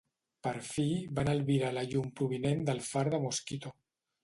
Per fi, van albirar la llum provinent del far de Mosquito.